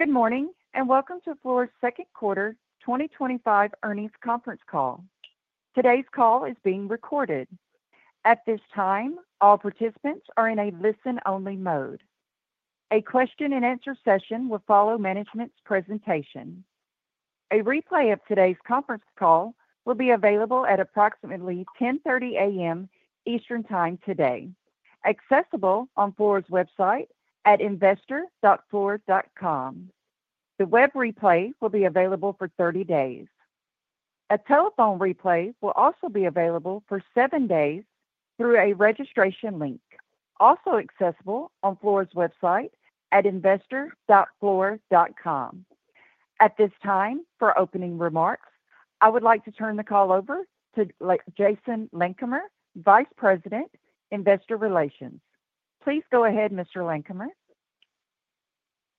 Good morning and welcome to Fluor's second quarter 2025 earnings conference call. Today's call is being recorded. At this time, all participants are in a listen-only mode. A question-and-answer session will follow management's presentation. A replay of today's conference call will be available at approximately 10:30 A.M. Eastern Time today, accessible on Fluor's website at investor.fluor.com. The web replay will be available for 30 days. A telephone replay will also be available for seven days through a registration link, also accessible on Fluor's website at investor.fluor.com. At this time, for opening remarks, I would like to turn the call over to Jason Landkamer, Vice President, Investor Relations. Please go ahead,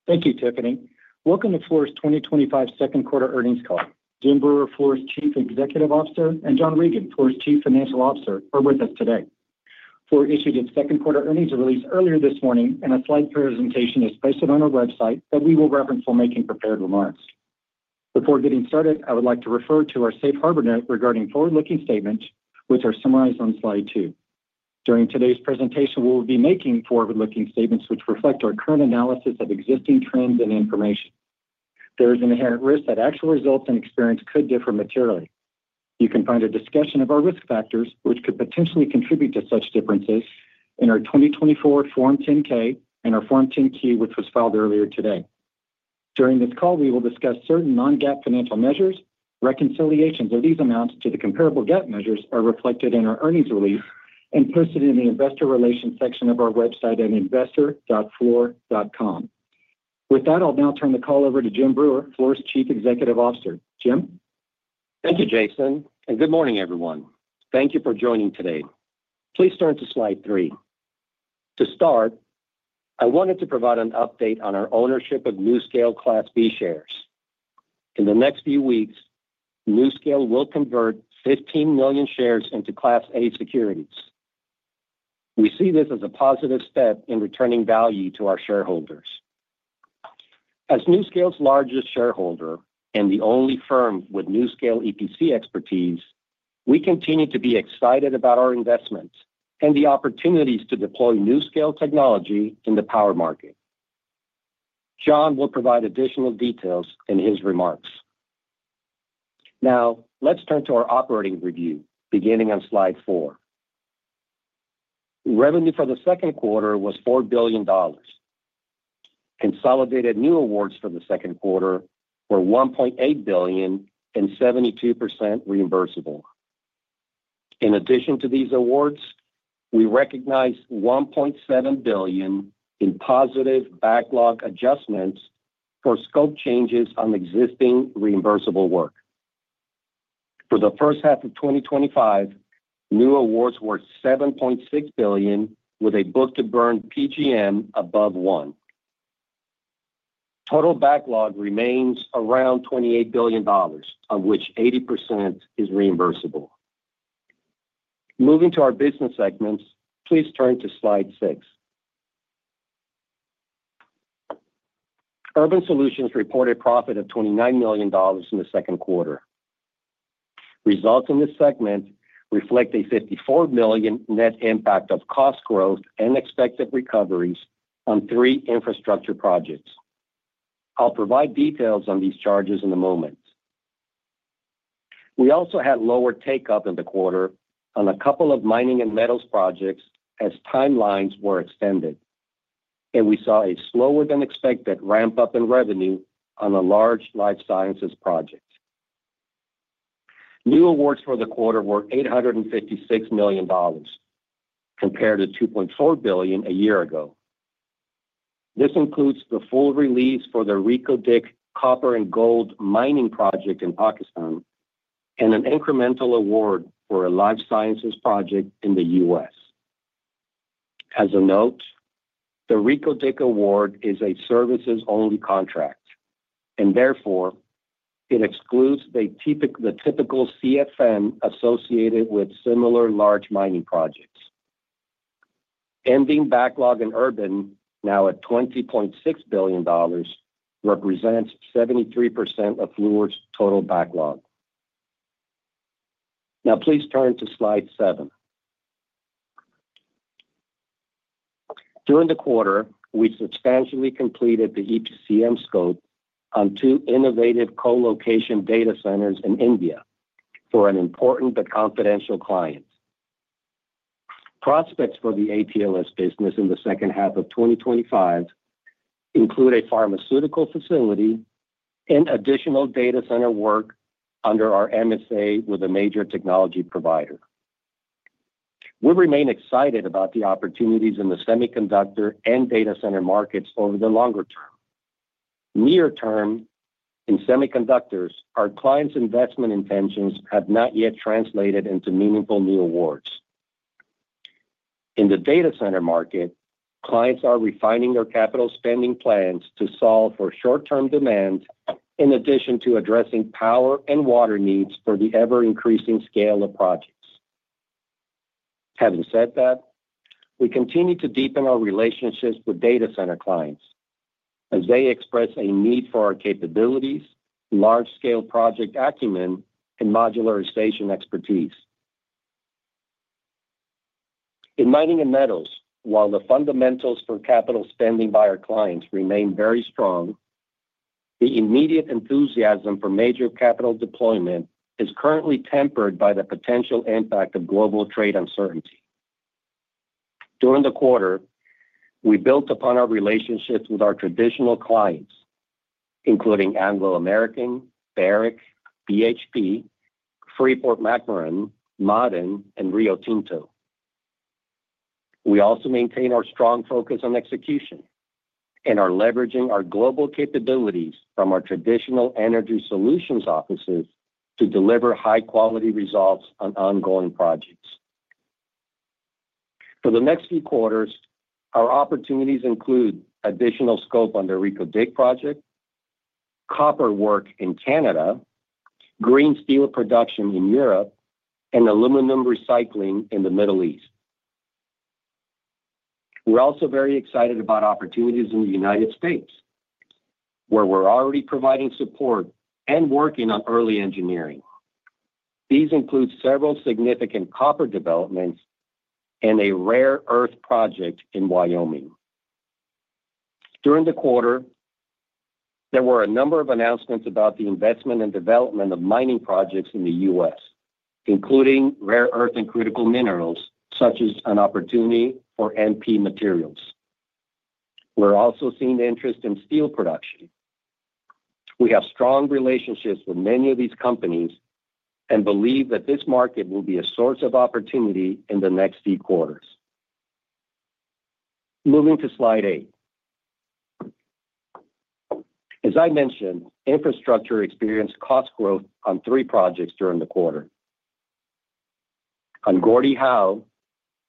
Mr. Landkamer. Thank you, Tiffany. Welcome to Fluor's 2025 second quarter earnings call. Jim Breuer, Fluor's Chief Executive Officer, and John Regan, Fluor's Chief Financial Officer, are with us today. Fluor issued its second quarter earnings release earlier this morning, and a slide presentation is posted on our website that we will reference for making prepared remarks. Before getting started, I would like to refer to our safe harbor note regarding forward-looking statements, which are summarized on slide two. During today's presentation, we will be making forward-looking statements which reflect our current analysis of existing trends and information. There is an inherent risk that actual results and experience could differ materially. You can find a discussion of our risk factors which could potentially contribute to such differences in our 2024 Form 10-K and our Form 10-Q, which was filed earlier today. During this call, we will discuss certain non-GAAP financial measures. Reconciliations of these amounts to the comparable GAAP measures are reflected in our earnings release and posted in the Investor Relations section of our website at investor.fluor.com. With that, I'll now turn the call over to Jim Breuer, Fluor's Chief Executive Officer. Jim. Thank you, Jason, and good morning, everyone. Thank you for joining today. Please turn to slide three. To start, I wanted to provide an update on our ownership of NuScale Class B shares. In the next few weeks, NuScale will convert 15 million shares into Class A securities. We see this as a positive step in returning value to our shareholders. As NuScale's largest shareholder and the only firm with NuScale EPC expertise, we continue to be excited about our investments and the opportunities to deploy NuScale technology in the power market. John will provide additional details in his remarks. Now let's turn to our operating review beginning on slide four. Revenue for the second quarter was $4 billion. Consolidated new awards for the second quarter were $1.8 billion and 72% reimbursable. In addition to these awards, we recognize $1.7 billion in positive backlog adjustments for scope changes on existing reimbursable work. For the first half of 2025, new awards worth $7.6 billion. With a book to burn PGM above osixe, total backlog remains around $28 billion, of which 80% is reimbursable. Moving to our business segments, please turn to slide six. Urban Solutions reported profit of $29 million in the second quarter. Results in this segment reflect a $54 million net impact of cost growth and expected recoveries on three infrastructure projects. I'll provide details on these charges in a moment. We also had lower take up in the quarter on a couple of mining and metals projects as timelines were extended, and we saw a slower than expected ramp up in revenue on a large life sciences project. New awards for the quarter were $856 million compared to $2.4 billion a year ago. This includes the full release for the Reko Diq copper and gold mining project in Pakistan and an incremental award for a life sciences project in the U.S. As a note, the Reko Diq award is a services only contract and therefore it excludes the typical CFM associated with similar large mining projects. Ending backlog in Urban now at $20.6 billion represents 73% of Fluor's total backlog. Now please turn to slide seven. During the quarter, we substantially completed the EPCM scope on two innovative colocation data centers in India for an important but confidential client. Prospects for the ATLS business in the second half of 2025 include a pharmaceutical facility and additional data center work under our MSA with a major technology provider. We remain excited about the opportunities in the semiconductor and data center markets over the longer-term. Near-term in semiconductors, our clients' investment intentions have not yet translated into meaningful new awards. In the data center market, clients are refining their capital spending plans to solve for short term demand in addition to addressing power and water needs for the ever increasing scale of projects. Having said that, we continue to deepen our relationships with data center clients as they express a need for our capabilities, large scale project acumen, and modularization expertise. In mining and metals, while the fundamentals for capital spending by our clients remain very strong, the immediate enthusiasm for major capital deployment is currently tempered by the potential impact of global trade uncertainty. During the quarter, we built upon our relationships with our traditional clients including Anglo American, Barrick, BHP, Freeport-McMoRan, and Rio Tinto. We also maintain our strong focus on execution and are leveraging our global capabilities from our traditional energy solutions offices to deliver high quality results on ongoing projects for the next few quarters. Our opportunities include additional scope on the Reko Diq project, copper work in Canada, green steel production in Europe, and aluminum recycling in the Middle East. We're also very excited about opportunities in the U.S. where we're already providing support and working on early engineering. These include several significant copper developments and a rare earth project in Wyoming. During the quarter, there were a number of announcements about the investment and development of mining projects in the U.S. including rare earth and critical minerals such as an opportunity for NP materials. We're also seeing interest in steel production. We have strong relationships with many of these companies and believe that this market will be a source of opportunity in the next few quarters. Moving to slide eight, as I mentioned, infrastructure experienced cost growth on three projects during the quarter. On Gordie Howe,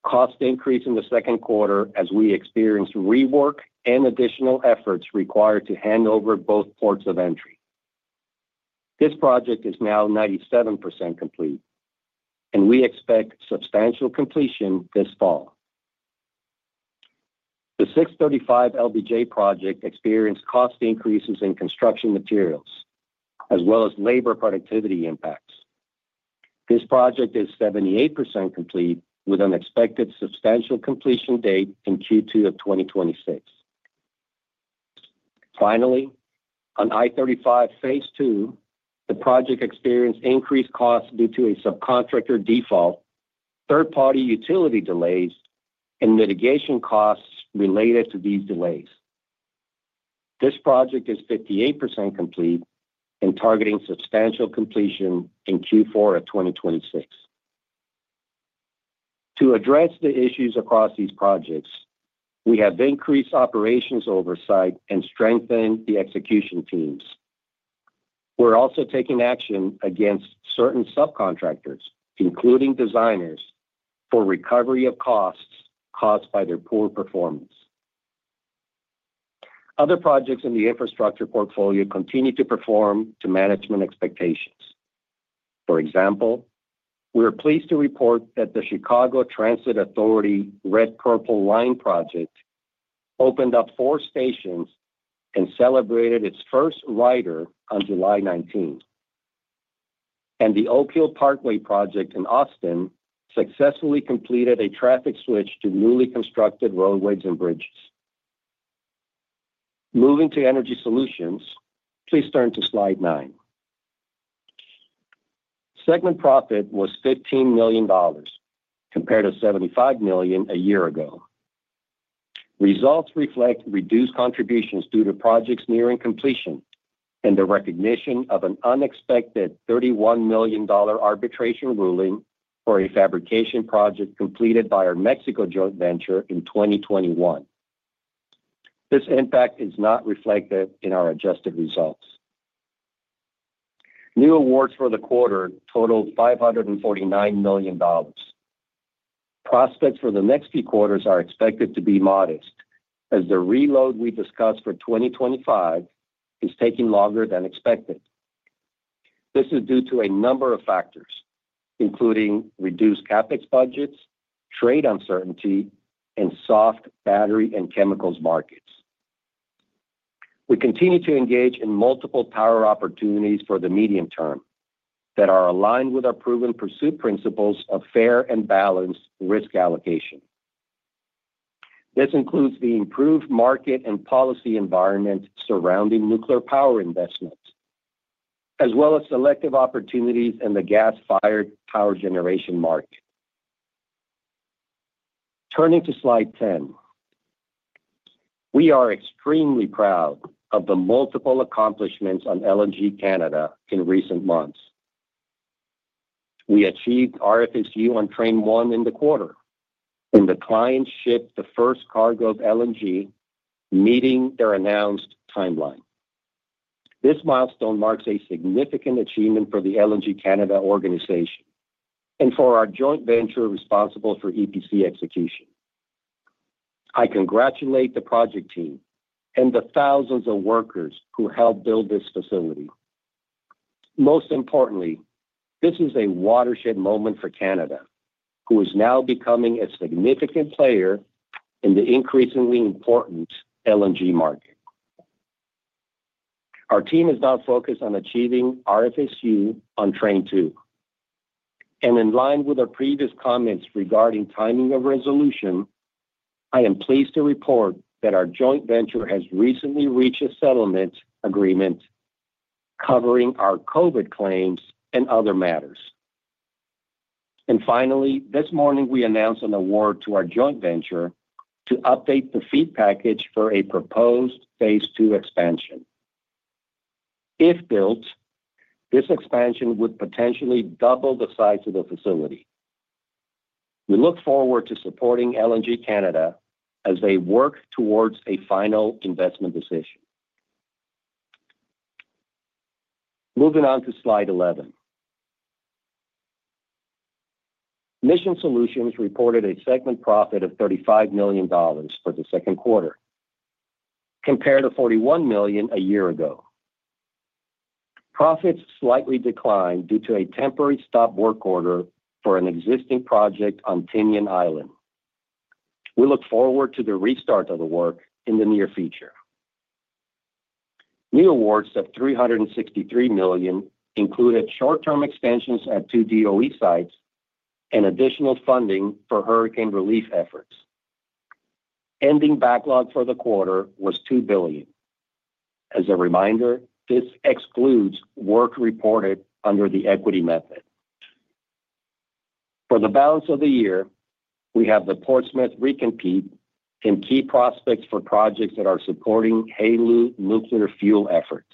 cost increased in the second quarter as we experienced rework and additional efforts required to hand over both ports of entry. This project is now 97% complete and we expect substantial completion this fall. The 635 LBJ project experienced cost increases in construction materials as well as labor productivity impacts. This project is 78% complete with an expected substantial completion date in Q2 of 2026. Finally, on I-35 Phase II, the project experienced increased costs due to a subcontractor default, third party utility delays, and mitigation costs related to these delays. This project is 58% complete and targeting substantial completion in Q4 of 2026. To address the issues across these projects, we have increased operations oversight and strengthened the execution teams. We're also taking action against certain subcontractors, including designers, for recovery of costs caused by their poor performance. Other projects in the infrastructure portfolio continue to perform to management expectations. For example, we are pleased to report that the Chicago Transit Authority Red Purple Line project opened up four stations and celebrated its first rider on July 19, and the Oak Hill Parkway project in Austin successfully completed a traffic switch to newly constructed roadways and bridges. Moving to Energy Solutions, please turn to slide nine. Segment profit was $15 million compared to $75 million a year ago. Results reflect reduced contributions due to projects nearing completion and the recognition of an unexpected $31 million arbitration ruling for a fabrication project completed by our Mexico joint venture in 2021. This impact is not reflected in our adjusted results. New awards for the quarter totaled $549 million. Prospects for the next few quarters are expected to be modest as the reload we discussed for 2025 is taking longer than expected. This is due to a number of factors including reduced CapEx budgets, trade uncertainty, and soft battery and chemicals markets. We continue to engage in multiple power opportunities for the medium term that are aligned with our proven pursuit principles of fair and balanced risk allocation. This includes the improved market and policy environment surrounding nuclear power investments as well as selective opportunities in the gas-fired power generation market. Turning to slide 10, we are extremely proud of the multiple accomplishments on LNG Canada in recent months. We achieved RFSU on Train 1 in the quarter, and the client shipped the first cargo of LNG, meeting their announced timeline. This milestone marks a significant achievement for the LNG Canada organization and for our joint venture responsible for EPC execution. I congratulate the project team and the thousands of workers who helped build this facility. Most importantly, this is a watershed moment for Canada, who is now becoming a significant player in the increasingly important LNG market. Our team is now focused on achieving RFSU on Train 2, and in line with our previous comments regarding timing of resolution, I am pleased to report that our joint venture has recently reached a settlement agreement covering our COVID claims and other matters. Finally, this morning we announced an award to our joint venture to update the FEED package for a proposed Phase II expansion. If built, this expansion would potentially double the size of the facility. We look forward to supporting LNG Canada as they work towards a final investment decision. Moving on to slide 11, Mission Solutions reported a segment profit of $35 million for the second quarter compared to $41 million a year ago. Profits slightly declined due to a temporary stop work order for an existing project on Tinian Island. We look forward to the restart of the work in the near future. New awards of $363 million included short-term extensions at two DOE sites and additional funding for hurricane relief efforts. Ending backlog for the quarter was $2 billion. As a reminder, this excludes work reported under the equity method. For the balance of the year, we have the Portsmouth recompete and key prospects for projects that are supporting HALEU nuclear fuel efforts.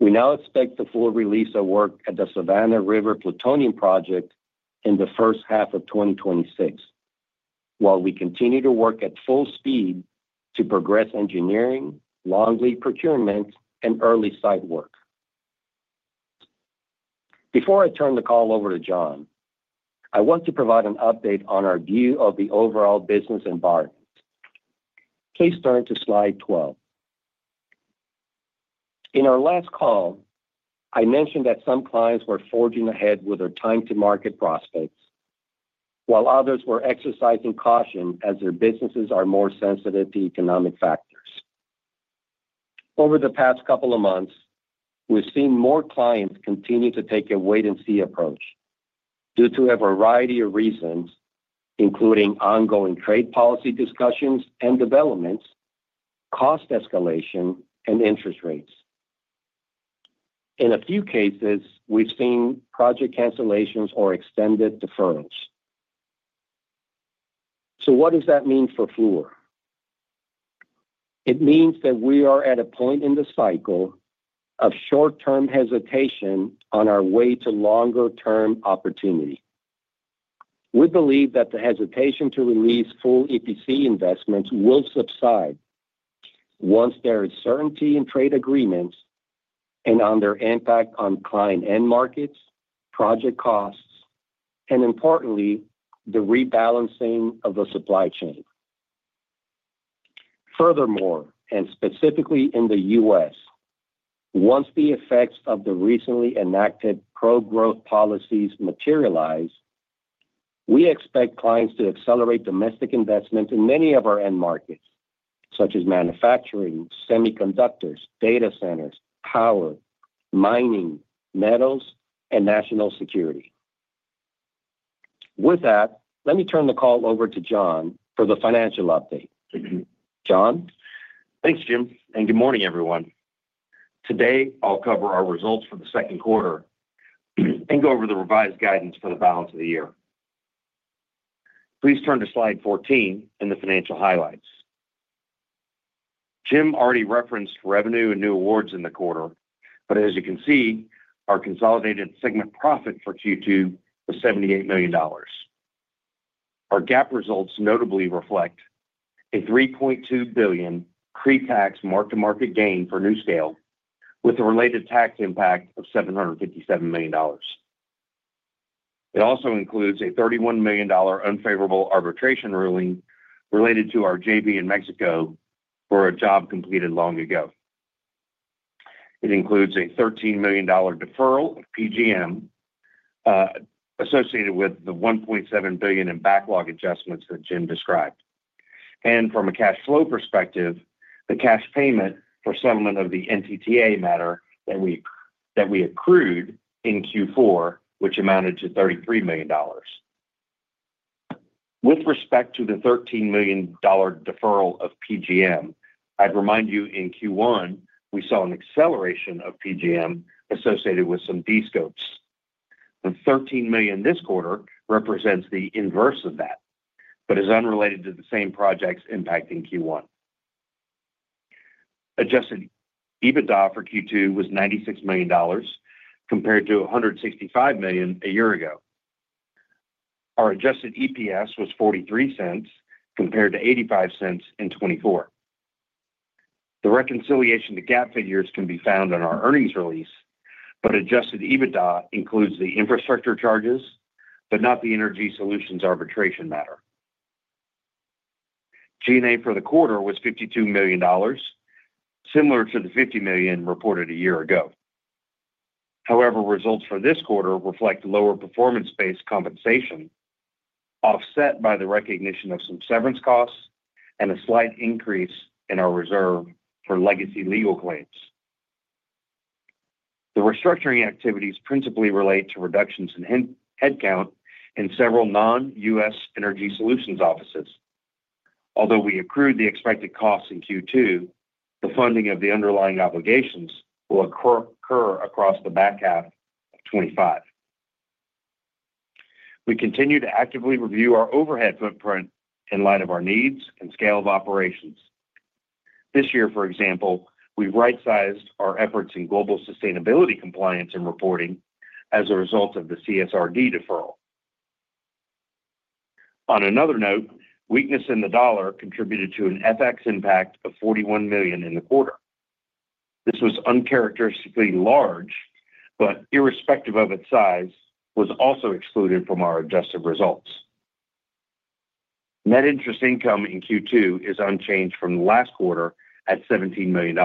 We now expect the full release of work at the Savannah River Plutonium project in the first half of 2026, while we continue to work at full speed to progress engineering, long lead procurement, and early site work. Before I turn the call over to John, I want to provide an update on our view of the overall business environment. Please turn to slide 12. In our last call, I mentioned that some clients were forging ahead with their time to market prospects, while others were exercising caution as their businesses are more sensitive to economic factors. Over the past couple of months, we've seen more clients continue to take a wait and see approach due to a variety of reasons, including ongoing trade policy discussions and developments, cost escalation, and interest rates. In a few cases, we've seen project cancellations or extended deferrals. What does that mean for Fluor? It means that we are at a point in the cycle of short term hesitation on our way to longer-term opportunity. We believe that the hesitation to release full EPC investments will subside once there is certainty in trade agreements and on their impact on client end markets, project costs, and importantly, the rebalancing of the supply chain. Furthermore, and specifically in the U.S., once the effects of the recently enacted pro growth policies materialize, we expect clients to accelerate domestic investment in many of our end markets, such as manufacturing, semiconductors, data centers, power, mining, metals, and national security. With that, let me turn the call over to John for the financial update. John, thanks Jim, and good morning everyone. Today I'll cover our results for the second quarter and go over the revised guidance for the balance of the year. Please turn to slide 14 and the financial highlights. Jim already referenced revenue and new awards in the quarter, but as you can see, our consolidated segment profit for Q2 was $78 million. Our GAAP results notably reflect a $3.2 billion pre-tax mark-to-market gain for NuScale with a related tax impact of $757 million. It also includes a $31 million unfavorable arbitration ruling related to our JV in Mexico for a job completed long ago. It includes a $13 million deferral PGM associated with the $1.7 billion in backlog adjustments that Jim described. From a cash flow perspective, the cash payment for settlement of the NTTA matter that we accrued in Q4 amounted to $33 million. With respect to the $13 million deferral of PGM, I'd remind you in Q1 we saw an acceleration of PGM associated with some de-scopes. The $13 million this quarter represents the inverse of that, but is unrelated to the same projects impacting Q1. Adjusted EBITDA for Q2 was $96 million compared to $165 million a year ago. Our adjusted EPS was $0.43 compared to $0.85 in 2024. The reconciliation to GAAP figures can be found on our earnings release, but adjusted EBITDA includes the infrastructure charges but not the Energy Solutions arbitration matter. G&A for the quarter was $52 million, similar to the $50 million reported a year ago. However, results for this quarter reflect lower performance-based compensation offset by the recognition of some severance costs and a slight increase in our reserve for legacy legal claims. The restructuring activities principally relate to reductions in headcount in several non-U.S. Energy Solutions offices. Although we accrued the expected costs in Q2, the funding of the underlying obligations will occur across the back half of 2025. We continue to actively review our overhead footprint in light of our needs and scale of operations. This year for example, we right-sized our efforts in global sustainability compliance and reporting as a result of the CSRD deferral. On another note, weakness in the dollar contributed to an FX impact of $41 million in the quarter. This was uncharacteristically large, but irrespective of its size, was also excluded from our adjusted results. Net interest income in Q2 is unchanged from last quarter at $17 million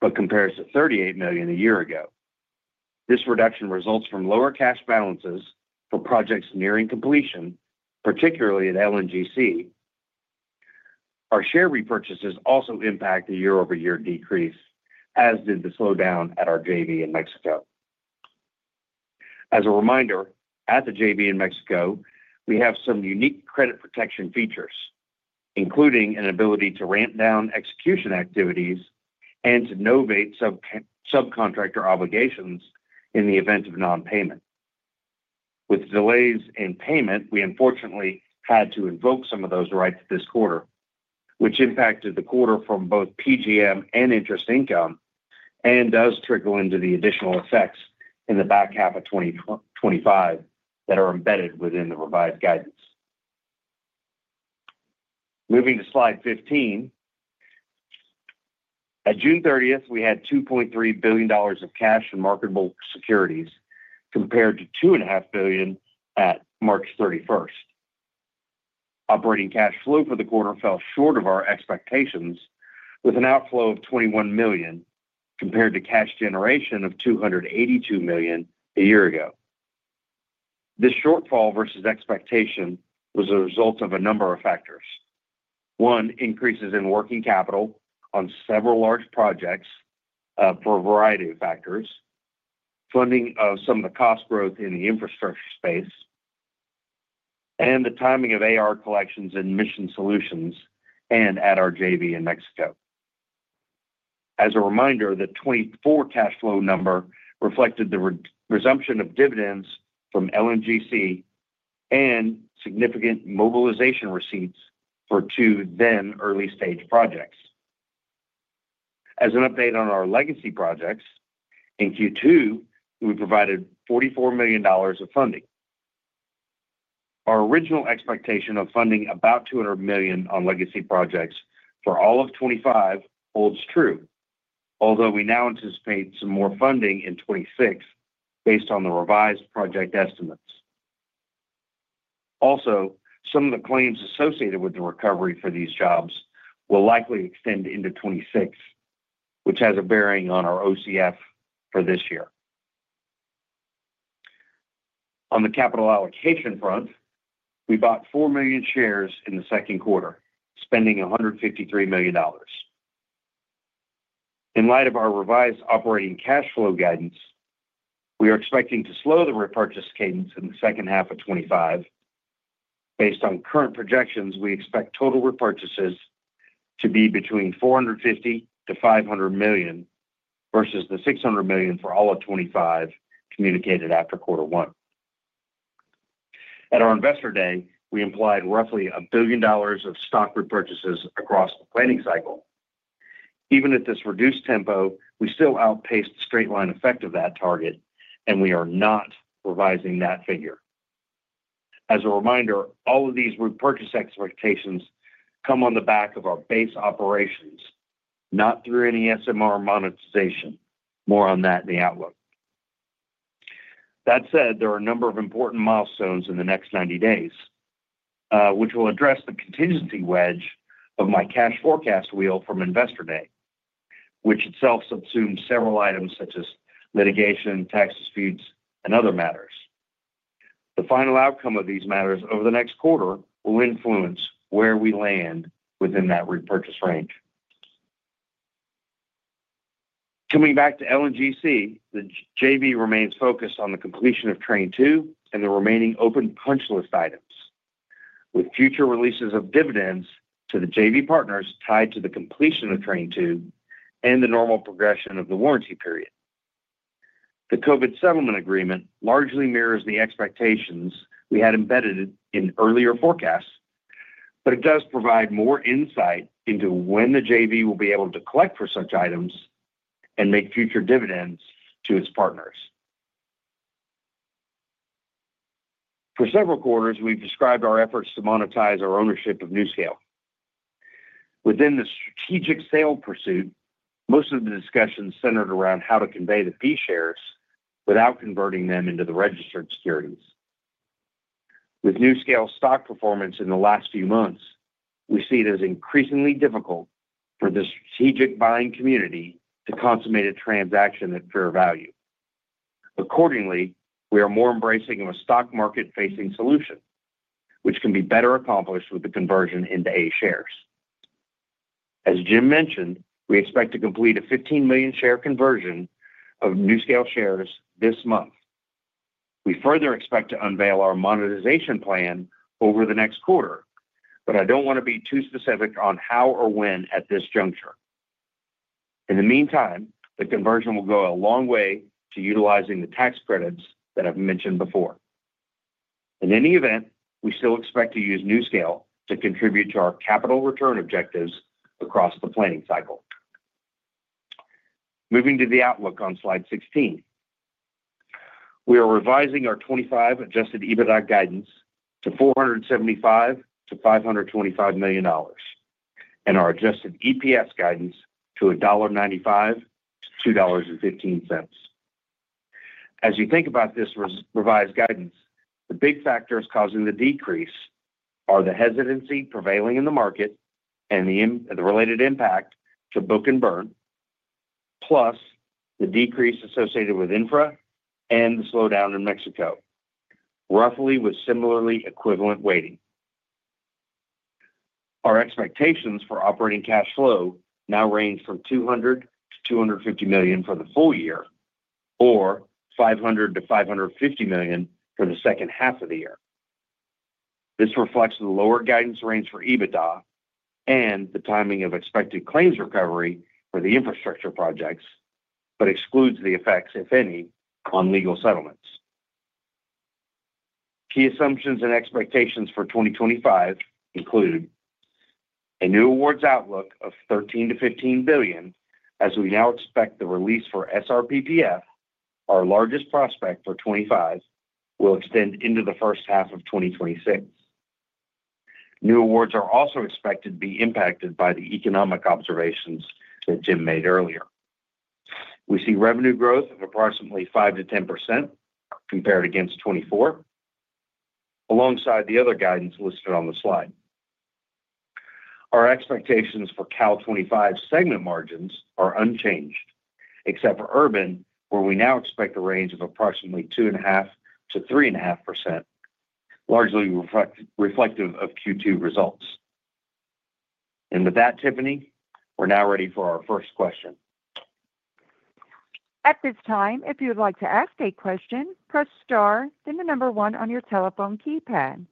but compares to $38 million a year ago. This reduction results from lower cash balances for projects nearing completion, particularly at LNG Canada. Our share repurchases also impact a year-over-year decrease, as did the slowdown at our joint venture in Mexico. As a reminder, at the JV in Mexico we have some unique credit protection features, including an ability to ramp down execution activities and to novate subcontractor obligations in the event of non-payment. With delays in payment, we unfortunately had to invoke some of those rights this quarter, which impacted the quarter from both PGM and interest income and does trickle into the additional effects in the back half of 2025 that are embedded within the revised guidance. Moving to slide 15, at June 30th we had $2.3 billion of cash and marketable securities compared to $2.5 billion at March 31st. Operating cash flow for the quarter fell short of our expectations with an outflow of $21 million compared to cash generation of $282 million a year ago. This shortfall versus expectation was a result of a number of factors: increases in working capital on several large projects for a variety of factors, funding of some of the cost growth in the infrastructure space, and the timing of AR collections in Mission Solutions and at our joint venture in Mexico. As a reminder, the 2024 cash flow number reflected the resumption of dividends from LNGC and significant mobilization receipts for two then early-stage projects. As an update on our legacy projects, in Q2 we provided $44 million of funding. Our original expectation of funding about $200 million on legacy projects for all of 2025 holds true, although we now anticipate some more funding in 2026 based on the revised project estimates. Also, some of the claims associated with the recovery for these jobs will likely extend into 2026, which has a bearing on our OCF for this year. On the capital allocation front, we bought 4 million shares in the second quarter, spending $153 million. In light of our revised operating cash flow guidance, we are expecting to slow the repurchase cadence in second half 2025. Based on current projections, we expect total repurchases to be between $450 million-$500 million versus the $600 million for all of 2025 communicated after quarter one. At our investor day, we implied roughly $1 billion of stock repurchases across the planning cycle. Even at this reduced tempo, we still outpaced the straight-line effect of that target and we are not revising that figure. As a reminder, all of these repurchase expectations come on the back of our base operations, not through any SMR monetization, more on that in the outlook. That said, there are a number of important milestones in the next 90 days which will address the contingency wedge of my cash forecast wheel from Investor Day, which itself subsumes several items such as litigation, tax disputes, and other matters. The final outcome of these matters over the next quarter will influence where we land within that repurchase range. Coming back to LNGC, the JV remains focused on the completion of Train 2 and the remaining open punch list items, with future releases of dividends to the JV partners tied to the completion of Train 2 and the normal progression of the warranty period. The COVID settlement agreement largely mirrors the expectations we had embedded in earlier forecasts, but it does provide more insight into when the JV will be able to collect for such items and make future dividends to its partners. For several quarters we've described our efforts to monetize our ownership of NuScale within the strategic sale pursuit. Most of the discussions centered around how to convey the fee shares without converting them into the registered securities. With NuScale stock performance in the last few months, we see it as increasingly difficult for the strategic buying community to consummate a transaction at fair value. Accordingly, we are more embracing of a stock market facing solution which can be better accomplished with the conversion into Class A shares. As Jim mentioned, we expect to complete a 15 million share conversion of NuScale shares this month. We further expect to unveil our monetization plan over the next quarter, but I don't want to be too specific on how or when at this juncture. In the meantime, the conversion will go a long way to utilizing the tax credits that I've mentioned before. In any event, we still expect to use NuScale to contribute to our capital return objectives across the planning cycle. Moving to the outlook on slide 16, we are revising our 2025 adjusted EBITDA guidance to $475 million-$525 million and our adjusted EPS guidance to $1.95-$2.15. As you think about this revised guidance, the big factor causing the decrease are the hesitancy prevailing in the market and the related impact to book and burn, plus the decrease associated with infra and the slowdown in Mexico. Roughly with similarly equivalent weighting, our expectations for operating cash flow now range from $200 million-$250 million for the full year or $500 million-$550 million for the second half of the year. This reflects the lower guidance range for EBITDA and the timing of expected claims recovery for the infrastructure projects, but excludes the effects, if any, on legal settlements. Key assumptions and expectations for 2025 include a new awards outlook of $13 billion-$15 billion. As we now expect the release for SRPTF, our largest prospect for 2025, will extend into the first half of 2026. New awards are also expected to be impacted by the economic observations that Jim made earlier. We see revenue growth of approximately 5% to 10% compared against 2024 alongside the other guidance listed on the slide. Our expectations for calendar 2025 segment margins are unchanged except for Urban where we now expect a range of approximately 2.5%-3.5%, largely reflective of Q2 results. Tiffany, we're now ready for our first question. At this time, if you would like to ask a question, press star, then the number one on your telephone keypad.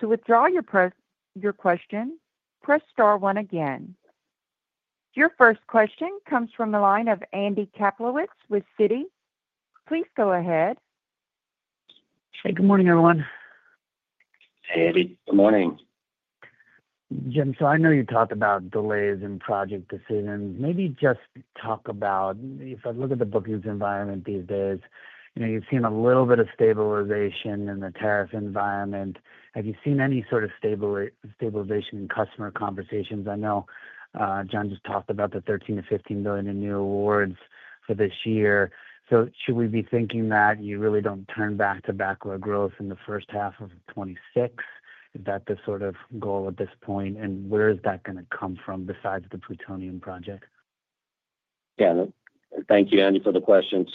To withdraw your question, press star one. Your first question comes from the line of Andy Kaplowitz with Citi. Please go ahead. Hey, good morning everyone. Hey Andy. Good morning. Jim. I know you talked about delays in project decisions. Maybe just talk about if I look at the bookings environment these days, you know, you've seen a little bit of stabilization in the tariff environment. Have you seen any sort of stabilization, stabilization in customer conversations. I know John just talked about the $13 billion-$15 billion in new awards for this year. Should we be thinking that you really don't turn back to backward growth in first half 2026? Is that the sort of goal at this point? Where is that going to come from besides the plutonium project? Thank you, Andy, for the question.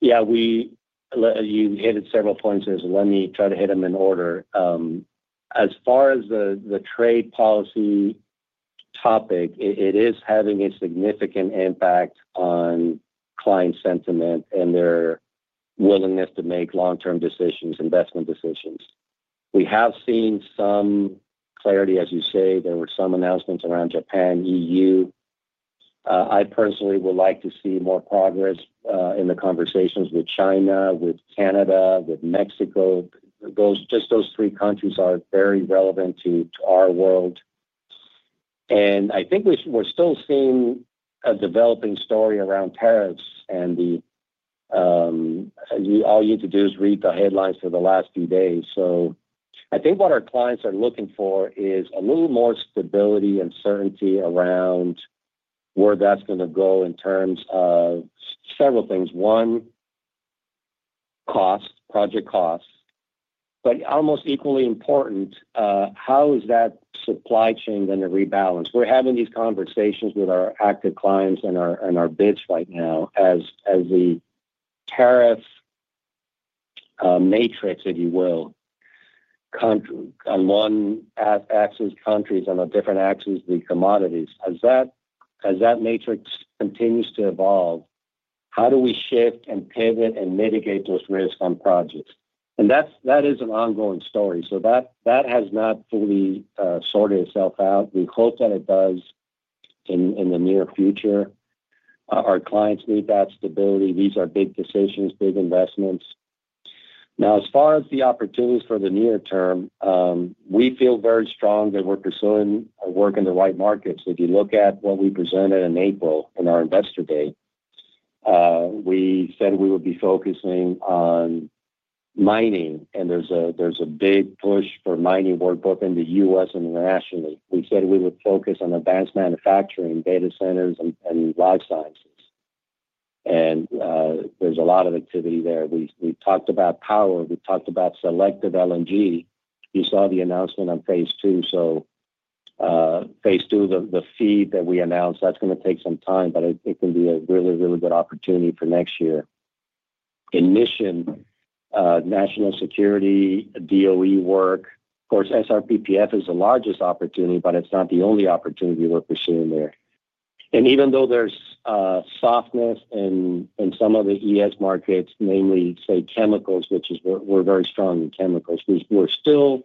You hit several points there. Let me try to hit them in order. As far as the trade policy topic, it is having a significant impact on client sentiment and their willingness to make long-term investment decisions. We have seen some clarity, as you say. There were some announcements around Japan, E.U. I personally would like to see more progress in the conversations with China, with Canada, with Mexico. Those three countries are very relevant to our world. I think we're still seeing a developing story around tariffs. All you need to do is read the headlines for the last few days. I think what our clients are looking for is a little more stability and certainty around where that's going to go in terms of several things. One, project costs, but almost equally important, how is that supply chain going to rebalance? We're having these conversations with our active clients and our bids right now as the tariff matrix, if you will, on one axis, countries, on a different axis, the commodities, as that matrix continues to evolve, how do we shift and pivot and mitigate those risks on projects? That is an ongoing story. That has not fully sorted itself out. We hope that it does in the near future. Our clients need that stability. These are big decisions, big investments. Now, as far as the opportunities for the near term, we feel very strong that we're pursuing our work in the right markets. If you look at what we presented in April at our Investor Day, we said we would be focusing on mining and there's a big push for mining work both in the U.S. and internationally. We said we would focus on advanced manufacturing, data centers, and life sciences, and there's a lot of activity there. We talked about power, we talked about selective LNG. You saw the announcement on Phase II. Phase II, the FEED that we announced, that's going to take some time, but it can be a really, really good opportunity for next year. In mission national security, DOE work, of course, SRPPF is the largest opportunity, but it's not the only opportunity we're pursuing there. Even though there's softness in some of the ES markets, namely chemicals, which is, we're very strong in chemicals, we're still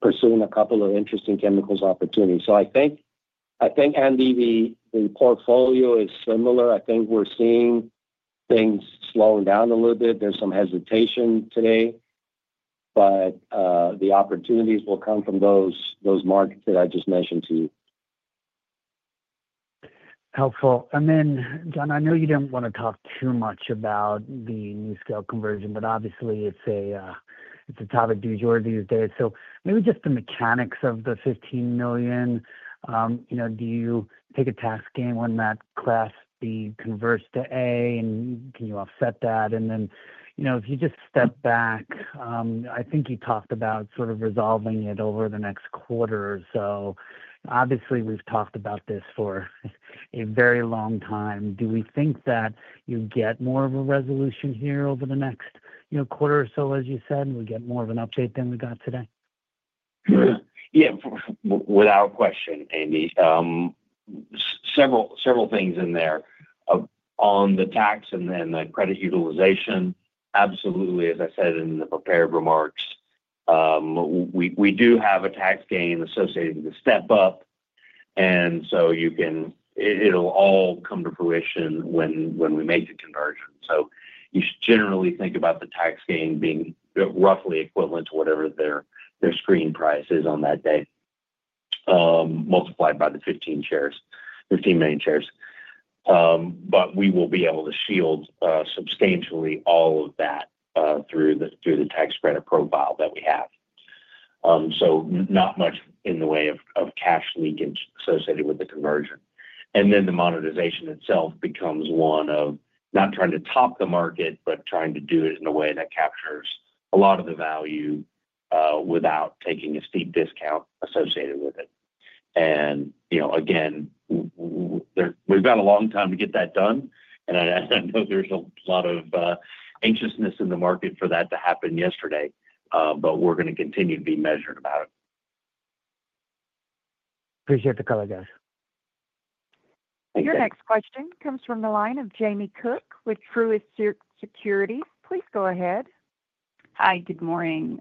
pursuing a couple of interesting chemicals opportunities. I think, Andy, the portfolio is similar. I think we're seeing things slowing down a little bit. There's some hesitation today. The opportunities will come from those markets that I just mentioned to you. Helpful. John, I know you didn't want to talk too much about the NuScale conversion, but obviously it's a topic du jour these days. Maybe just the mechanics of the $15 million. Do you take a tax gain when that Class B converts to A, and can you offset that? If you just step back, I think you talked about sort of resolving it over the next quarter. Obviously we've talked about this for a very long time, do we think that you get more of a resolution here over the next quarter or so, as you said? We get more of an update. Than we got today? Yeah, without question, Andy, several things in there on the tax and then the credit utilization. Absolutely, as I said in the prepared remarks, we do have a tax gain associated with the step up you can, it'll all come to fruition when we make the conversion. You should generally think about the tax gain being roughly equivalent to whatever their screen price is on that day multiplied by the 15 million shares. We will be able to shield substantially all of that through the tax credit profile that we have. Not much in the way of.ash leakage associated with the conversion. The monetization itself becomes one of not trying to top the market but trying to do it in a way that captures a lot of the value without taking a steep discount associated with it. We've got a long time to get that done. I know there's a lot of anxiousness in the market for that to happen yesterday, but we're going to continue to be measured about it. Appreciate the color, guys. Your next question comes from the line of Jamie Cook with Truist Securities. Please go ahead. Hi, good morning.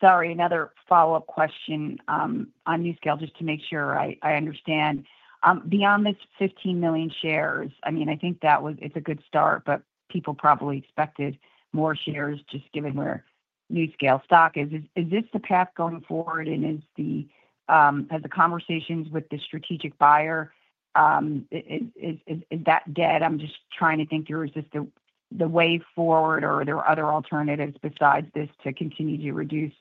Sorry, another follow up question on NuScale. Just to make sure I understand, beyond this 15 million shares, I mean I think that was, it's a good start, but people probably expected more shares just given where NuScale stock is. Is this the path going forward and has the conversation with the strategic buyer, is that dead? I'm just trying to think through, is this the way forward or are there other alternatives besides this to continue to reduce,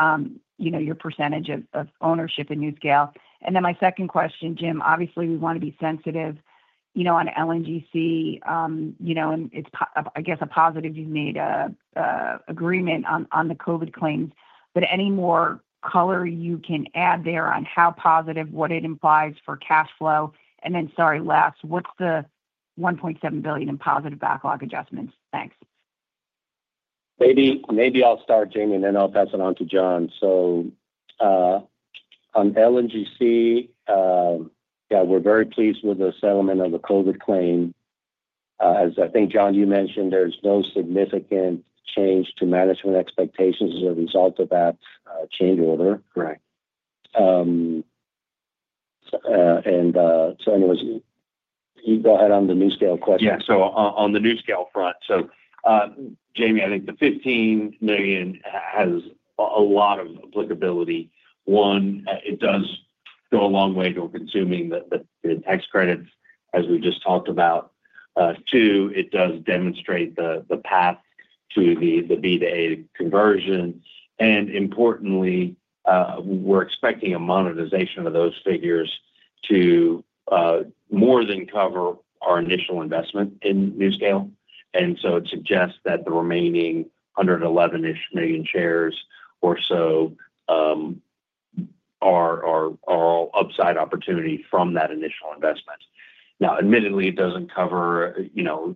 you know, your percentage of ownership in NuScale? My second question, Jim, obviously we want to be sensitive, you know, on LNG Canada, you know, and I guess it's a positive you made agreement on the COVID claims. Any more color you can add there on how positive, what it implies for cash flow? Sorry, last, what's the $1.7 billion in positive backlog adjustments? Thanks. Maybe I'll start, Jamie, and then I'll pass it on to John. On LNGC, yeah, we're very pleased with the settlement of a COVID claim. As I think, John, you mentioned, there's no significant change to management expectations as a result of that change order. Right. Anyways, you go ahead on the NuScale question. Yeah. On the NuScale front, Jamie, I think the $15 million has a lot of applicability. One, it does go a long way toward consuming the tax credits, as we just talked about. Two, it does demonstrate the path to the B, to a conversion. Importantly, we're expecting a monetization of those figures to more than cover our initial investment in NuScale. It suggests that the remaining approximately 111 million shares or so are all upside opportunity from that initial investment. Now, admittedly it doesn't cover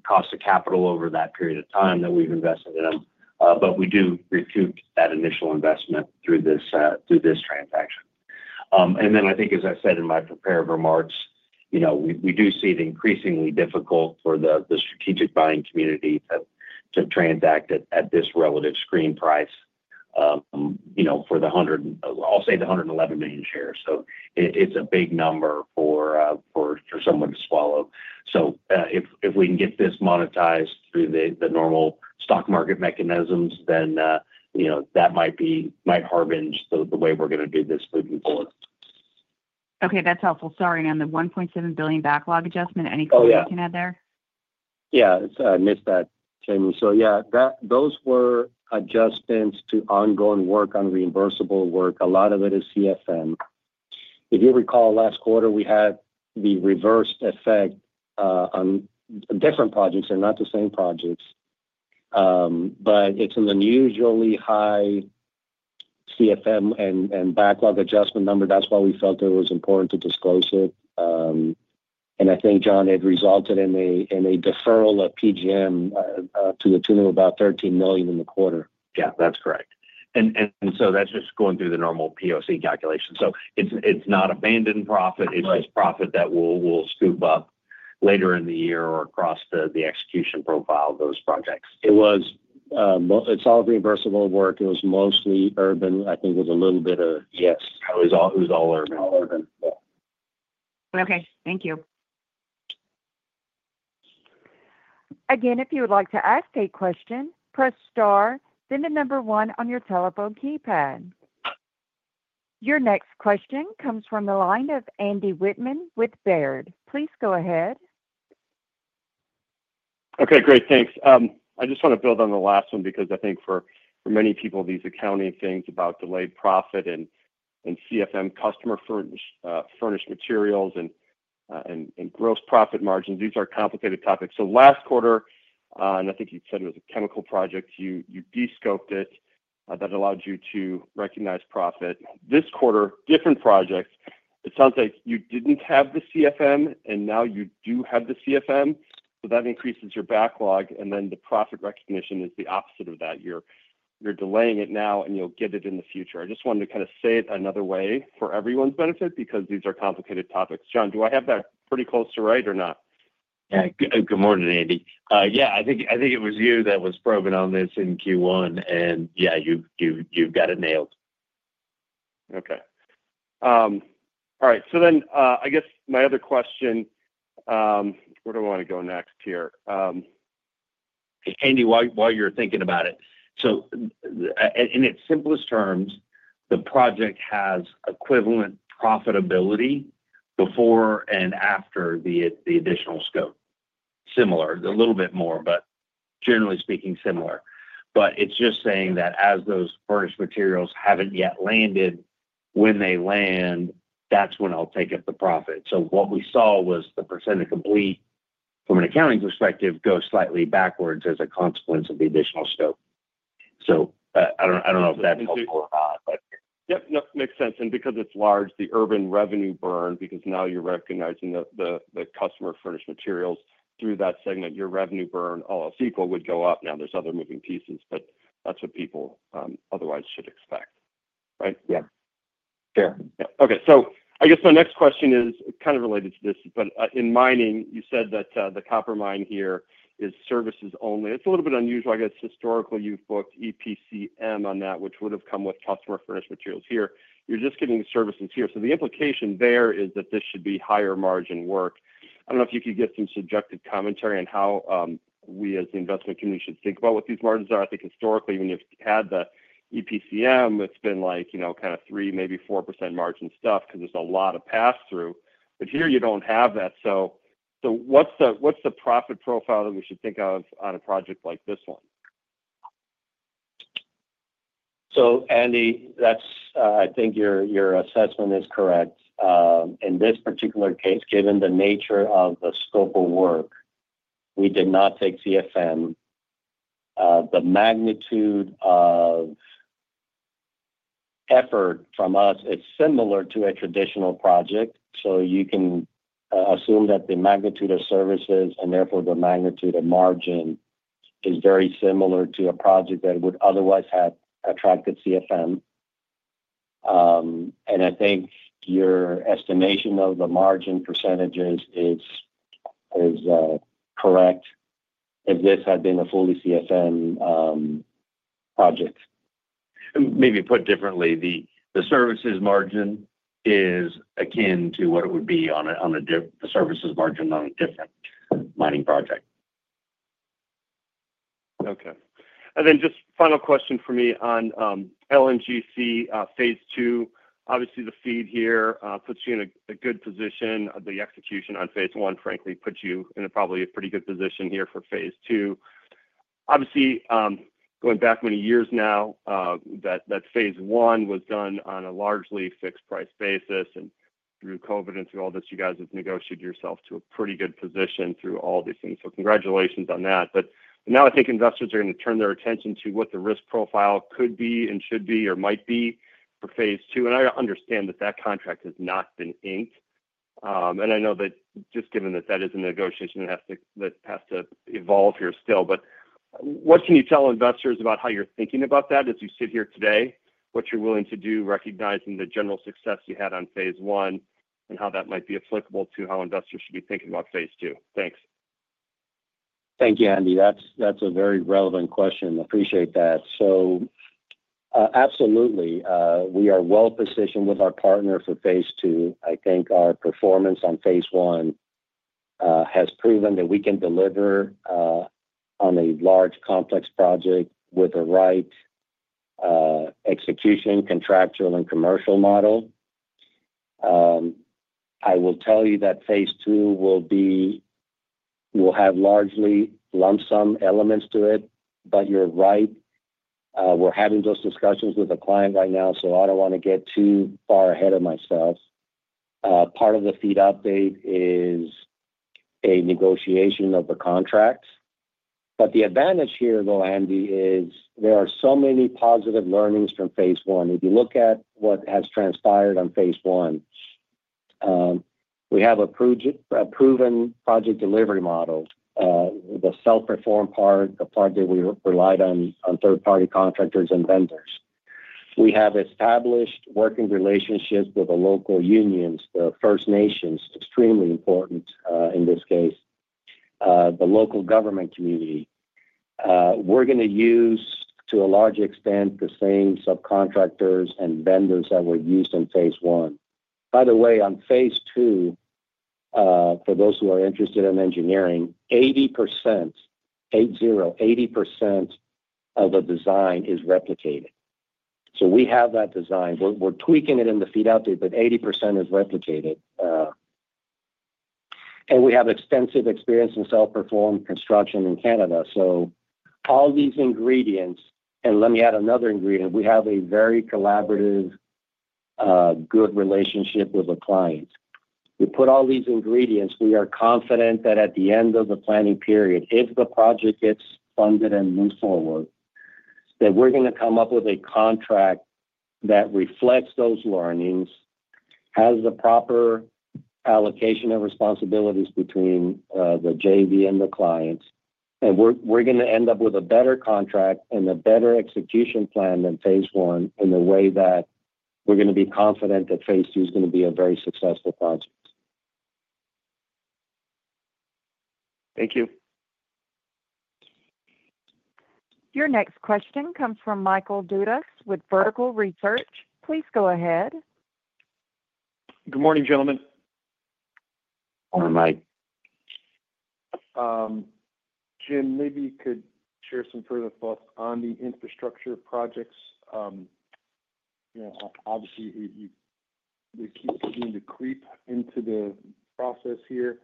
cost of capital over that period of time that we've invested in them, but we do recoup that initial investment through this transaction. I think, as I said in my prepared remarks, you know, we do see it increasingly difficult for the strategic buying community to transact at this relative screen price, you know, for the $111 million shares. It's a big number for someone to swallow. If we can get this monetized through the normal stock market mechanisms, then that might harbing the way we're going to do this moving forward. Okay, that's helpful. Sorry. On the $1.7 billion backlog adjustment, anything you can add there? Yeah, I missed that, Jamie. Those were adjustments to ongoing work on reimbursable work. A lot of it is CFM. If you recall last quarter we had the reverse effect on different projects. They're not the same projects, but it's an unusually high CFM and backlog adjustment number. That's why we felt it was important to disclose it. I think, John, it resulted in a deferral of PGM to the tune of about $13 million in the quarter. Yeah, that's correct. That's just going through the normal POC calculation. It's not abandoned profit, profit that we'll scoop up later in the year or across the execution profile of those projects. It was all reimbursable work. It was mostly urban, I think. Yes, it was all Urban Solutions. Okay, thank you. Again, if you would like to ask a question, press star, then the number one on your telephone keypad. Your next question comes from the line of Andy Wittmann with Baird. Please go ahead. Okay, great, thanks. I just want to build on the last one because I think for many people these accounting things about delayed profit and CFM, customer furnished materials, and gross profit margins, these are complicated topics. Last quarter, and I think you said it was a chemical project, you descoped it, that allowed you to recognize profit. This quarter, different projects, it sounds like you didn't have the CFM and now you do have the CFM, so that increases your backlog. The profit recognition is the opposite of that. You're delaying it now and you'll get it in the future. I just wanted to kind of say it another way for everyone's benefit because these are complicated topics. John, do I have that pretty close to right or not? Good morning, Andy. Yeah, I think it was you that was probing on this in Q1 and yeah, you've got it nailed. Okay. All right. I guess my other question, where do I want to go next here? Andy, while you're thinking about it. In its simplest terms, the project has equivalent profitability before and after the additional scope, similar, a little bit more, but generally speaking, similar. It's just saying that as those furnished materials haven't yet landed, when they land, that's when I'll take up the profit. What we saw was the percentage of complete from an accounting perspective go slightly backwards as a consequence of the additional scope. I don't know if that's helpful or not, but. Yep, makes sense. Because it's large, the Urban revenue burn, because now you're recognizing the customer furnished materials through that segment, your revenue burn, all else equal, would go up. There are other moving pieces, but that's what people otherwise should expect, right? Yeah. Fair. My next question is kind of related to this, but in mining you said that the copper mine here is services only. It's a little bit unusual. I guess historically you've booked EPCM on that, which would have come with customer furnished materials. Here, you're just getting the services. The implication there is that this should be higher margin work. I don't know if you could get some subjective commentary on how we as the investment community should think about what these margins are. I think historically when you've had the EPCM it's been like, you know, kind of 3%, maybe 4% margin stuff because there's a lot of pass through. Here you don't have that. What's the profit profile that we should think of on a project like this one? I think your assessment is correct in this particular case, given the nature of the scope of work. We did not take CFM. The magnitude of effort from us is similar to a traditional project. You can assume that the magnitude of services and therefore the magnitude of margin is very similar to a project that would otherwise have attracted CFM. I think your estimation of the margin percentages is correct. If this had been a fully CFM project. Maybe put differently, the services margin is akin to what it would be on the services margin on a different mining project. Okay, and then just final question for me on LNGC Phase II, obviously the FEED here puts you in a good position. The execution on Phase I, frankly, puts you in probably a pretty good position here for Phase II. Obviously, going back many years now that Phase I was done on a largely fixed price basis and through COVID and through all this, you guys have negotiated yourself to a pretty good position through all these things. Congratulations on that. I think investors are going to turn their attention to what the risk profile could be and should be or might be for Phase II. I understand that contract has not been inked and I know that just given that that is a negotiation that has to evolve here still. What can you tell investors about how you're thinking about that as you sit here today, what you're willing to do, recognizing the general success you had on Phase I and how that might be applicable to how investors should be thinking about Phase II? Thanks. Thank you, Andy. That's a very relevant question. Appreciate that. Absolutely, we are well positioned with our partner for Phase II. I think our performance on Phase I has proven that we can deliver on a large, complex project with the right execution, contractual, and commercial model. I will tell you that Phase II will have largely lump sum elements to it. You're right, we're having those discussions with the client right now. I don't want to get too far ahead of myself. Part of the FEED update is a negotiation of the contract. The advantage here, though, Andy, is there are so many positive learnings from Phase I. If you look at what has transpired on Phase I, we have a proven project delivery model, the self-performed part, the part that we relied on, third-party contractors and vendors. We have established working relationships with the local unions, the First Nations, extremely important in this case, the local government community. We're going to use, to a large extent, the same subcontractors and vendors that were used in Phase I. By the way, on Phase II, for those who are interested in engineering, 80% of a design is replicated. We have that design, we're tweaking it in the FEED outdoor, but 80% is replicated and we have extensive experience in self-performed construction in Canada. All these ingredients, and let me add another ingredient, we have a very collaborative, good relationship with the client. We put all these ingredients together. We are confident that at the end of the planning period, if the project gets funded and moves forward, we're going to come up with a contract that reflects those learnings, has the proper allocation of responsibilities between the JV and the clients, and we're going to end up with a better contract and a better execution plan than Phase I in a way that we're going to be confident that Phase II is going to be a very successful project. Thank you. Your next question comes from Michael Dudas with Vertical Research. Please go ahead. Good morning, gentlemen. Morning, Mike. Jim, maybe you could share some further thoughts on the infrastructure projects. Obviously, they keep the creep into the process here.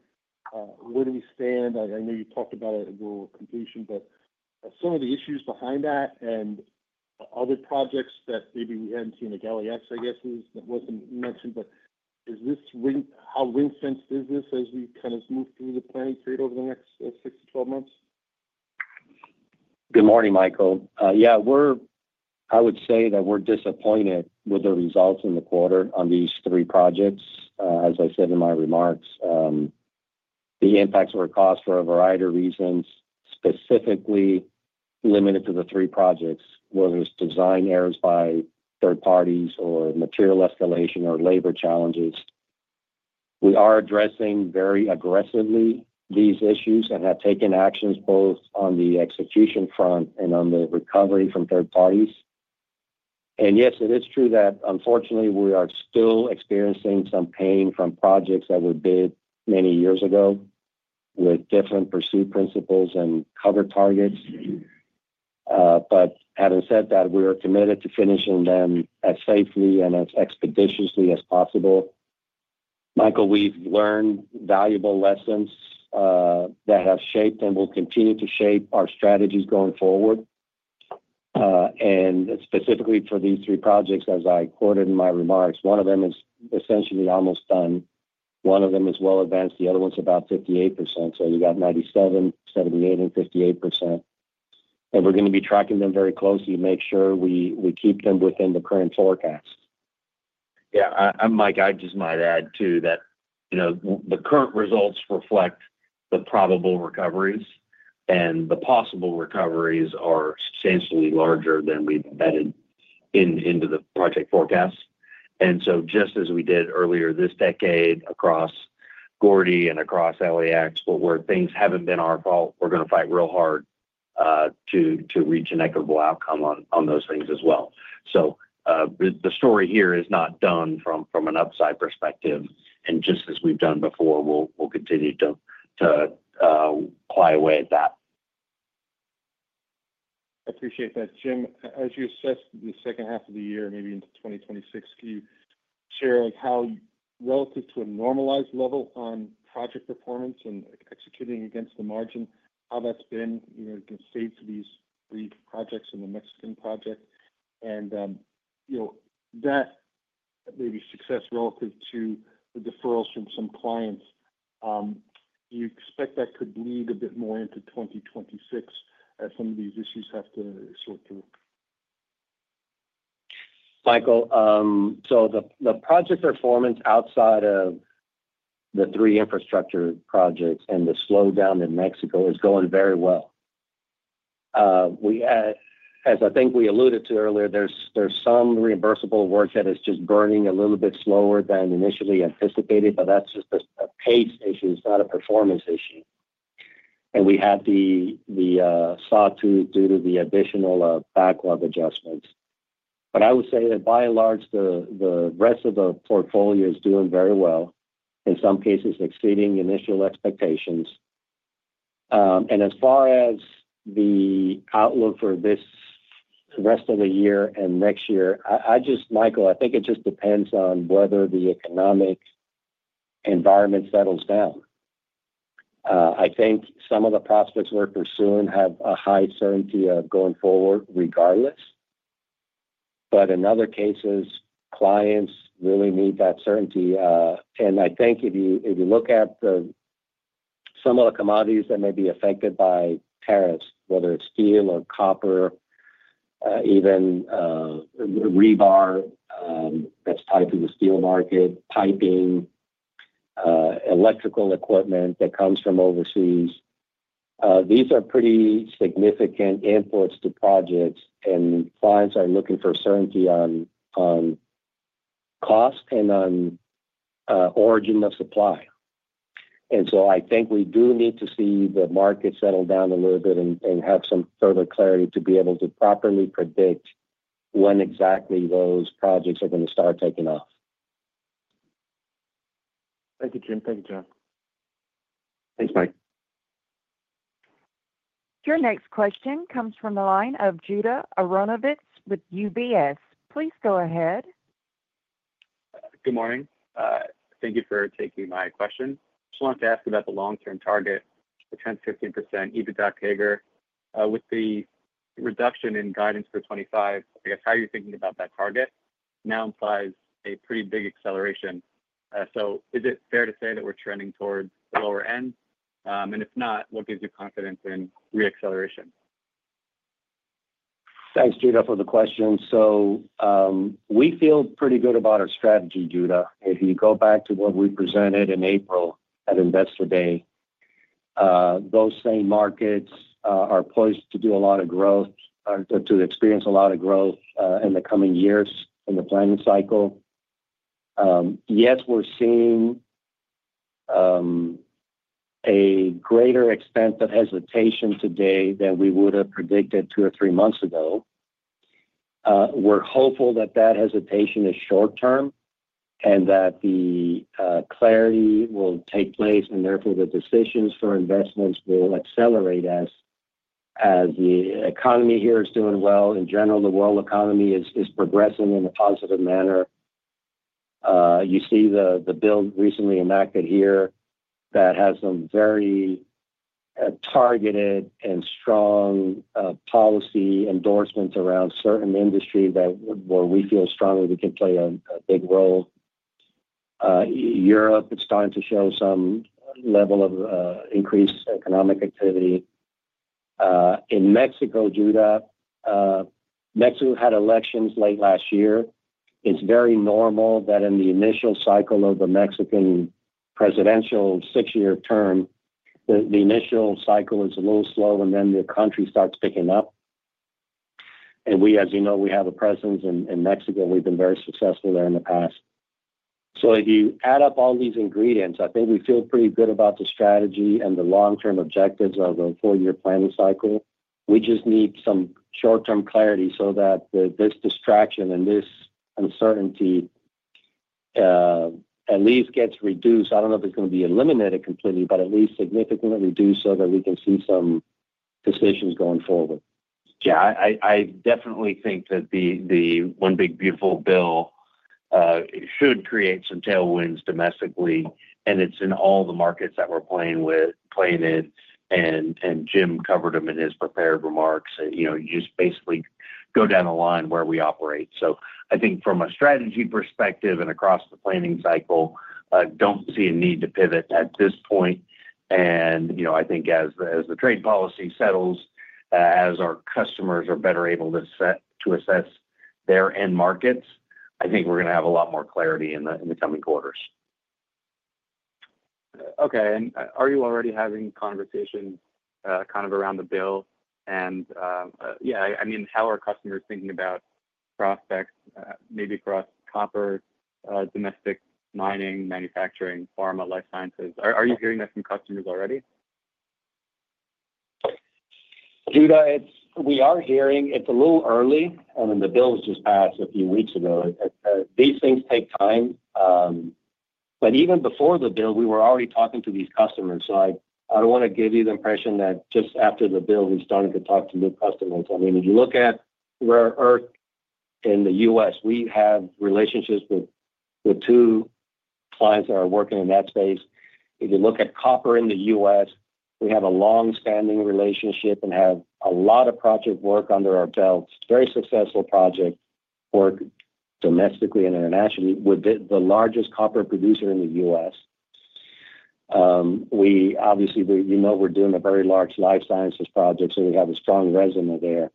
Where do we stand? I know you talked about it at rule of completion, but some of the issues behind that and other projects that maybe we hadn't seen the LAX. I guess that wasn't mentioned. Is this ring, how ring-fenced is this as we kind of move through the planning period over the next 6-12 months. Good morning, Michael. Yeah, I would say that we're disappointed with the results in the quarter on these three projects. As I said in my remarks, the impacts were caused for a variety of reasons specifically limited to the three projects. Whether it's design errors by third parties, material escalation, or labor challenges, we are addressing very aggressively these issues and have taken actions both on the execution front and on the recovery from third parties. Yes, it is true that unfortunately we are still experiencing some pain from projects that were bid many years ago with different pursuit principles and cover targets. Having said that, we are committed to finishing them as safely and as expeditiously as possible. Michael, we've learned valuable lessons that have shaped and will continue to shape our strategies going forward. Specifically for these three projects, as I quoted in my remarks, one of them is essentially almost done, one of them is well advanced, the other one's about 58%. You got 97%, 78%, and 58%, and we're going to be tracking them very closely to make sure we keep them within the current forecast. Yeah, Mike, I just might add to that. You know, the current results reflect the probable recoveries, and the possible recoveries are substantially larger than we embedded into the project forecast. Just as we did earlier this decade across Gordy and across LAX, where things haven't been our fault, going to fight real hard to reach n equitable outcome on those things as well. The story here is not done from an upside perspective. Just as we've done before, we'll continue to ply away at that. I appreciate that. Jim, as you assess the second half of the year, maybe into 2026, can. You share how relative to a normalized level on project performance and executing against the margin, how that's been saved to these three projects. Mexican project, and you know, that may be success relative to the deferrals from some clients. Do you expect that could lead a bit more into 2026 as some of it these issues have to sort through? Michael, so the project performance outside of the three infrastructure projects and the slowdown in Mexico is going very well, as I think we alluded to earlier. There's some reimbursable work that is just burning a little bit slower than initially anticipated. That's just a pace issue, it's not a performance issue. We had the SAW2 due to the additional backlog adjustments. I would say that by and large the rest of the portfolio is doing very well, in some cases exceeding initial expectations. As far as the outlook for the rest of this year and next year, I think it just depends on whether the economic environment settles down. I think some of the prospects we're pursuing have a high certainty of going forward regardless. In other cases, clients really need that certainty. If you look at some of the commodities that may be affected by tariffs, whether it's steel or copper, even rebar that's tied to the steel market, piping, electrical equipment that comes from overseas, these are pretty significant inputs to projects and clients are looking for certainty on cost and on origin of supply. I think we do need to see the market settle down a little bit and have some further clarity to be able to properly predict when exactly those projects are going to start taking off. Thank you, Jim. Thank you, John. Thanks, Mike. Your next question comes from the line of Judah Aronovitz with UBS. Please go ahead. Good morning. Thank you for taking my question. Just wanted to ask about the long-term target, the trend 15% EBITDA CAGR with the reduction in guidance for 2025, I guess how are you thinking about that target now implies a pretty big acceleration. Is it fair to say that we're trending towards the lower end? If not, what gives you confidence in re acceleration? Thanks, Judah, for the question. We feel pretty good about our strategy. Judah, if you go back to what we presented in April at Investor Day, those same markets are poised to do a lot of growth, to experience a lot of growth in the coming years in the planning cycle. Yes, we're seeing a greater extent of hesitation today than we would have predicted two or three months ago. We're hopeful that that hesitation is short term and that the clarity will take place and therefore the decisions for investments will accelerate as the economy here is doing well. In general, the world economy is progressing in a positive manner. You see the bill recently enacted here that has some very targeted and strong policy endorsements around certain industries where we feel strongly we can play a big role. Europe is starting to show some level of increased economic activity. In Mexico, Judah, Mexico had elections late last year. It's very normal that in the initial cycle of the Mexican presidential six year term, the initial cycle is a little slow and then the country starts picking up and we, as you know, we have a presence in Mexico. We've been very successful there. If you add up all these ingredients, I think we feel pretty good about the strategy and the long-term objectives of a four year planning cycle. We just need some short term clarity so that this distraction and this uncertainty at least gets reduced. I don't know if it's going to be eliminated completely, but at least significantly reduced so that we can see some decisions going forward. Yeah, I definitely think that the one big beautiful bill should create some tailwinds domestically, and it's in all the markets that we're playing in. Jim covered them in his prepared remarks. You know, just basically go down the line where we operate. I think from a strategy perspective and across the planning cycle, don't see a need to pivot at this point. You know, I think as the trade policy settles, as our customers are better able to assess their end markets, I think we're going to have a lot more clarity in the coming quarters. Okay, and are you already having conversations kind of around the bill? Yeah, I mean, how are customers thinking about prospects maybe across copper, domestic mining, manufacturing, pharma, life sciences? Are you hearing that from customers already? Judah, we are hearing it's a little early. The bills just passed a few weeks ago. These things take time. Even before the bill, we were already talking to these customers. I don't want to give you the impression that just after the bill we started to talk to new customers. If you look at rare earth in the U.S., we have relationships with two clients that are working in that space. If you look at copper in the U.S., we have a long-standing relationship and have a lot of project work under our belts, very successful project work domestically and internationally with the largest copper producer in the U.S. We are doing a very large life sciences project, so we have a strong resume there.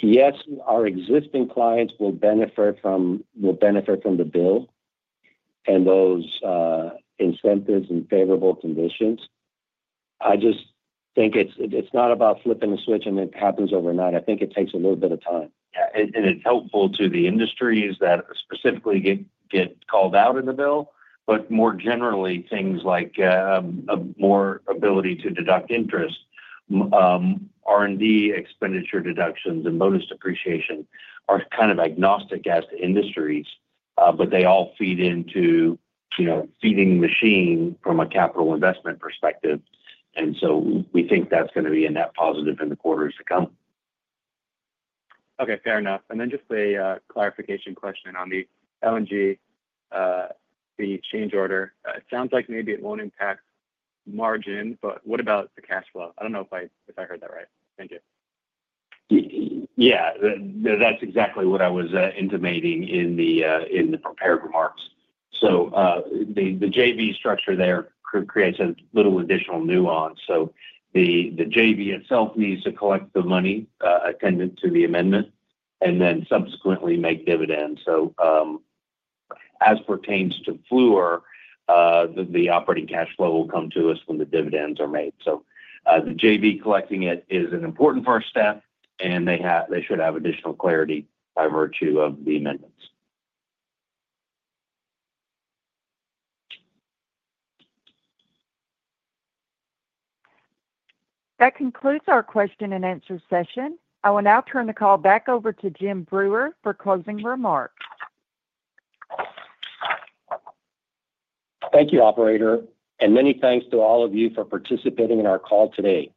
Yes, our existing clients will benefit from the bill and those incentives and favorable conditions. I just think it's not about flipping the switch and it happens overnight. I think it takes a little bit of time. It's helpful to the industries that specifically get called out in the bill, more generally, things like more ability to deduct interest, R&D expenditure deductions, and bonus depreciation are kind of agnostic as to industries, but they all feed into, you know, feeding machine from a capital investment perspective. We think that's going to be a net positive in the quarters to come. Okay, fair enough. Just a clarification question on the LNG, the exchange order. It sounds like maybe it won't impact margin, but what about the cash flow? I don't know if I heard that right. Thank you. Yeah, that's exactly what I was intimating in the prepared remarks. The JV structure there creates a little additional nuance. The JV itself needs to collect the money attendant to the amendment and then subsequently make dividends. As pertains to Fluor, the operating cash flow will come to us when the dividends are made. The JV collecting it is important for our staff and they should have additional clarity by virtue of the amendments. That concludes our question-and-answer session. I will now turn the call back over to Jim Breuer for closing remarks. Thank you, operator, and many thanks to all of you for participating in our call today.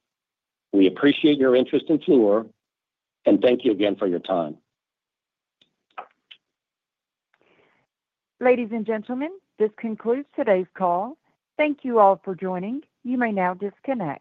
We appreciate your interest in Fluor and thank you again for your time. Ladies and gentlemen, this concludes today's call. Thank you all for joining. You may now disconnect.